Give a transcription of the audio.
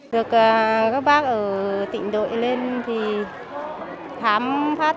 được các bác ở tỉnh đội lên thì khám phát